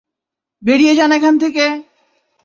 বেরিয়ে যান এখান থেকে!